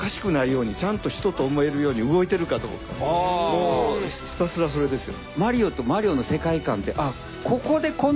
もうひたすらそれですよ。